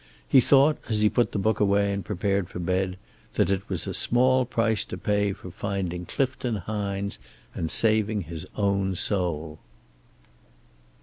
He thought, as he put the book away and prepared for bed, that it was a small price to pay for finding Clifton Hines and saving his own soul.